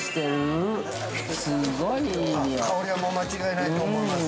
◆香りは間違いないと思います。